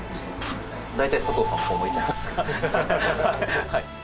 大体佐藤さんのほう向いちゃいますから。